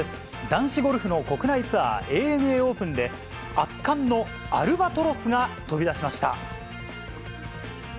男子ゴルフの国内ツアー、ＡＮＡオープンで、圧巻のアルバトロスが飛び出しました。